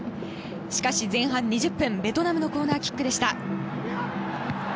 しかし前半２０分、ベトナムのコーナーキックでした。